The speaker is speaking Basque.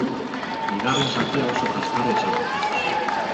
Bigarren zatia oso kaskarra izan da.